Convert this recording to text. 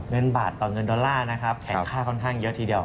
เงินบาทต่อเงินดอลลาร์นะครับแข็งค่าค่อนข้างเยอะทีเดียว